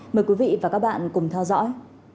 mời quý vị và các bạn cùng theo dõi